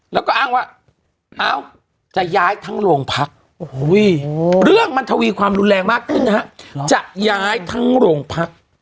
แล้วก็อ้างว่าเอ้าจะย้ายทั้งโรงพักเรื่องมันทวีความรุนแรงมากขึ้นนะฮะจะย้ายทั้งโรงพัก